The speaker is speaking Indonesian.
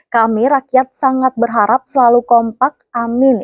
kami rakyat sangat berharap selalu kompak amin